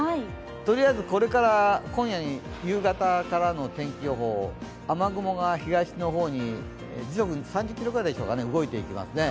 とりあえずこれから夕方からの天気予報、雨雲が東の方に時速３０キロぐらいでしょうか、動いていきます。